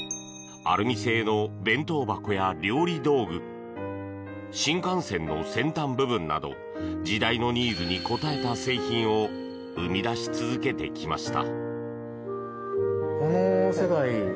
アルミ製の弁当箱や料理道具新幹線の先端部分など時代のニーズに応えた製品を生み出し続けてきました。